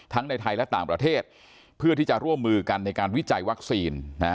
ในไทยและต่างประเทศเพื่อที่จะร่วมมือกันในการวิจัยวัคซีน